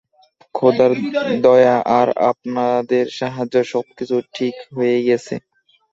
খোদার দয়া আর আপনাদের সাহায্যে, সবকিছু ঠিক হয়ে গেছে।